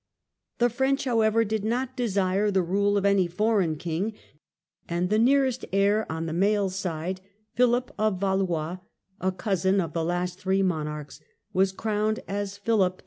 The French, however, did not desire the rule of any foreign King, and the nearest heir on the male side, Philip of Valois, a cousin of the last three monarchs, was crowned as Philip VI.